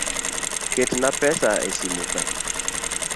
Ketna pesa e simu ka.